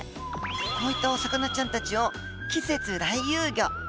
こういったお魚ちゃんたちを「季節来遊魚」といいます。